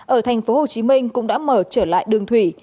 ở tp hcm cũng đã mở trở lại đường thủy